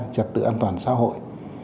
trật tự an toàn xã hội